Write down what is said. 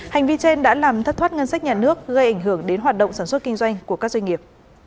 hành vi trên đã làm thất thoát ngân sách nhà nước gây ảnh hưởng đến hoạt động sản xuất kinh doanh của các doanh nghiệp